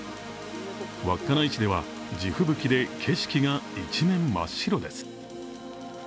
稚内市では地吹雪で景色が一面真っ白です。